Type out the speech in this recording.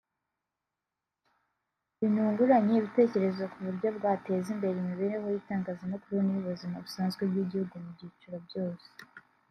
Banunguranye ibitekerezo ku buryo bwateza imbere imibereho y’itangazamakuru n’iy’ubuzima busanzwe bw’igihugu mu byiciro byose